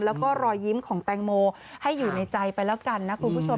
แล้วก็รอยยิ้มของแตงโมให้อยู่ในใจไปแล้วกันนะคุณผู้ชม